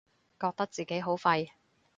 覺得自己好廢